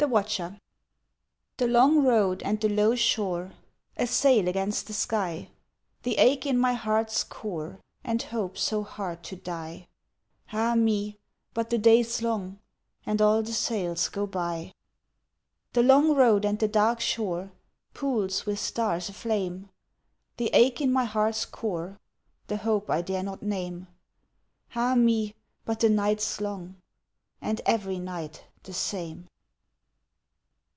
The Watcher THE long road and the low shore, a sail against the sky, The ache in my heart's core, and hope so hard to die Ah me, but the day's long and all the sails go by! The long road and the dark shore, pools with stars aflame, The ache in my heart's core, the hope I dare not name Ah, me, but the night's long and every night the same!